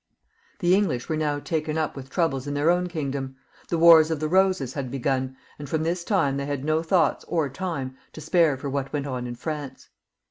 The English were now taken up with troubles in their own kingdom. The Wars of the Boses had begun, and from this time they had no thought or time to spare for what went on in France.